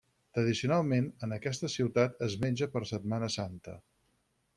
Tradicionalment, en aquesta ciutat es menja per Setmana Santa.